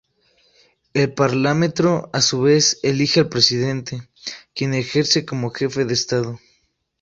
El Parlamento a su vez elige al presidente, quien ejerce como jefe de Estado.